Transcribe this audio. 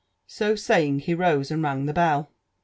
So saying, he rose and rang the bell.